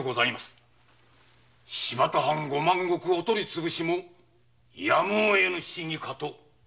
新発田藩五万石お取りつぶしもやむをえぬ仕儀かと。